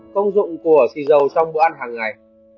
công dụng của xì dầu trong bữa ăn hàng ngày